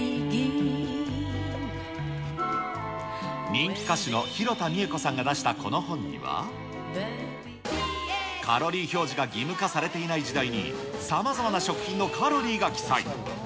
人気歌手の弘田三枝子さんが出したこの本には、カロリー表示が義務化されていない時代に、さまざまな食品のカロリーが記載。